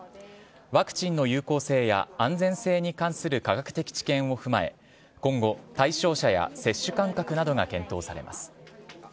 ワクチンの有効性や安全性に関する科学的知見を踏まえ今後、対象者や接種間隔などが検討されます。